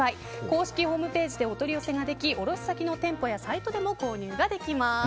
公式ホームページでお取り寄せができ卸先の店舗やサイトでも購入できます。